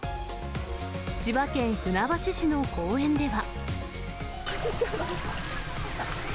千葉県船橋市の公園では。